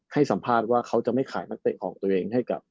ให้สัมภาษณ์ว่าเขาจะไม่ขายนักเตะของตัวเองให้กับ